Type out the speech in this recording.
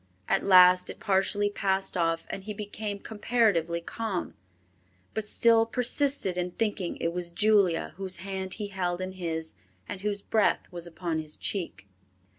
At last it partially passed off and he became comparatively calm, but still persisted in thinking it was Julia whose hand he held in his and whose breath was upon his cheek.